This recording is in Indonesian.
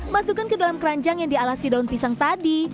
masukkan ke dalam keranjang yang dialasi daun pisang tadi